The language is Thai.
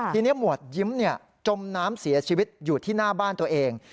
ทีนี้หมวดยิ้มจมน้ำเสียชีวิตอยู่ที่หน้าบ้านตัวเอง